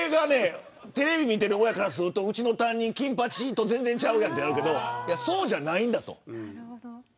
テレビを見ている親からするとうちの担任金八と全然ちゃうやんとなるけどそうじゃないんだと。